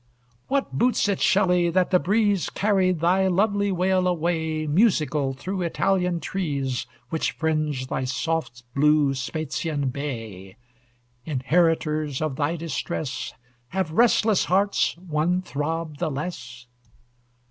What boots it, Shelley! that the breeze Carried thy lovely wail away, Musical through Italian trees Which fringe thy soft blue Spezzian bay? Inheritors of thy distress, Have restless hearts one throb the less?